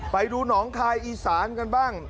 ไปดูหนองคายอีสานกันบ้าง